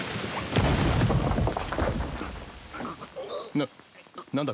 な何だ